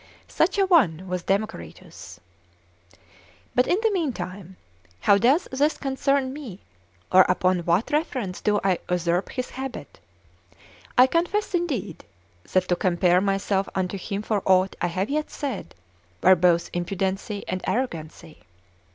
Such a one was Democritus. But in the mean time, how doth this concern me, or upon what reference do I usurp his habit? I confess, indeed, that to compare myself unto him for aught I have yet said, were both impudency and arrogancy.